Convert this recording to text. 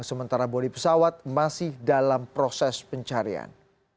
sementara bodi pesawat masih dalam proses pencarian